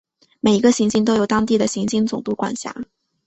每一个行星都由当地的行星总督管辖。